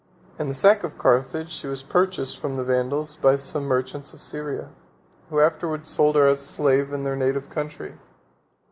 In the sack of Carthage, she was purchased from the Vandals by some merchants of Syria, who afterwards sold her as a slave in their native country.